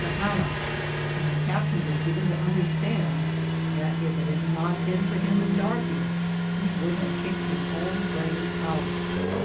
Ae hammock; and the captain was given to understand that if it had not been for him and Darkey he would have kicked his own brains out.